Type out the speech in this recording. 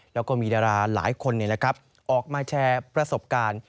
แล้วก็มีดาราหลายคนออกมาแชร์ประสบการณ์